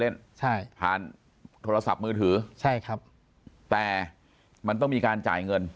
เล่นใช่ผ่านโทรศัพท์มือถือใช่ครับแต่มันต้องมีการจ่ายเงิน